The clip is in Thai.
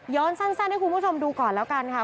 สั้นสั้นให้คุณผู้ชมดูก่อนแล้วกันค่ะ